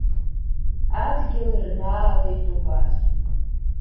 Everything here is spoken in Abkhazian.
Адгьыл рнаалеит убас.